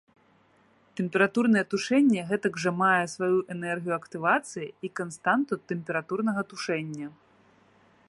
Тэмпературнае тушэнне гэтак жа мае сваю энергію актывацыі і канстанту тэмпературнага тушэння.